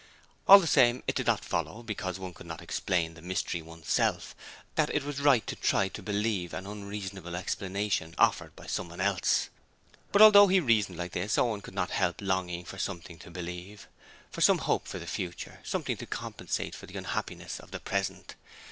All the same, it did not follow, because one could not explain the mystery oneself, that it was right to try to believe an unreasonable explanation offered by someone else. But although he reasoned like this, Owen could not help longing for something to believe, for some hope for the future; something to compensate for the unhappiness of the present.